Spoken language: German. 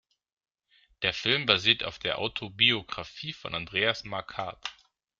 Der Film basiert auf der Autobiografie von Andreas Marquardt.